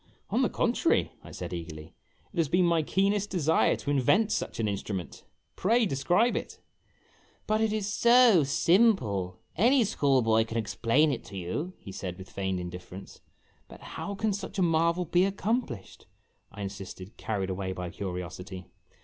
" On the contrary," I said, eagerly, " it has been my keenest desire to invent such an instrument. Pray describe it !" "But it is so simple; any school boy can explain it to you," he said, with feigned indifference. "But how can such a marvel be accomplished?" I insisted, car ried away by curiosity.